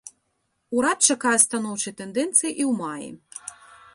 Урад чакае станоўчай тэндэнцыі і ў маі.